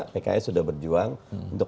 pks sudah berjuang untuk